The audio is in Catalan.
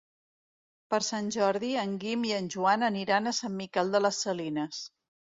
Per Sant Jordi en Guim i en Joan aniran a Sant Miquel de les Salines.